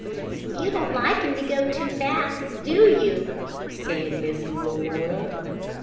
"You don't like him to go too fast, do you?" said Miss Laura.